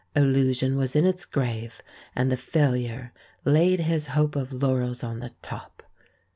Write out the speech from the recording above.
Illusion was in its grave, and the Failure laid his hope of laurels on the top.